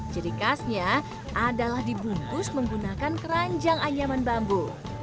jadi khasnya adalah dibungkus menggunakan keranjang anyaman bambu